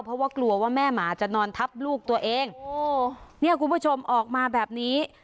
เพราะว่ากลัวว่าแม่หมาจะนอนทับลูกตัวเองโอ้เนี่ยคุณผู้ชมออกมาแบบนี้